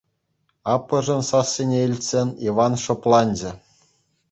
Аппӑшӗн сассине илтсен, Иван шӑпланчӗ.